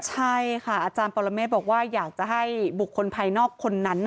ใช่ค่ะอาจารย์ปรเมฆบอกว่าอยากจะให้บุคคลภายนอกคนนั้น